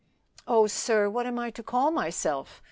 "Oh, sir! what am I to call myself?"